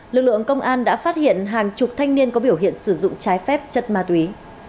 lực lượng công an đã phát hiện hàng chục thanh niên có biểu hiện sử dụng trái phép chất ma túy